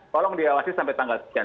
tolong diawasi sampai tanggal sekian